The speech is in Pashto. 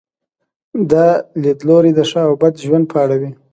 دا لیدلوری د ښه او بد ژوند په اړه وي.